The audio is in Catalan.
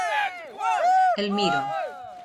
El miro.